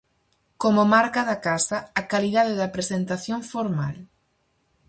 Como marca da casa, a calidade da presentación formal.